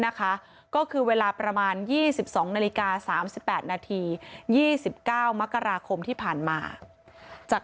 นะคะก็คือเวลาประมาณ๒๒นาฬิกา๓๘นาที๒๙มกราคมที่ผ่านมาจาก